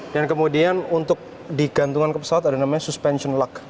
dan kemudian untuk digantungan ke pesawat ada namanya suspension lug